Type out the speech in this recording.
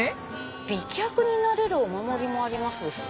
「美脚になれるお守りもあります」。